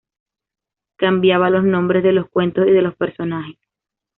Cambiaba los nombres de los cuentos y de los personajes.